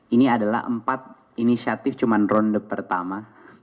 ini adalah empat inisiatif cuma ronde pertama